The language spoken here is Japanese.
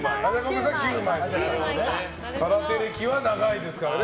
空手歴は長いですからね